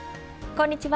こんにちは。